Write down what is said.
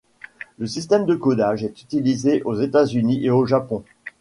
Ce système de codage est utilisé aux États-Unis et au Japon.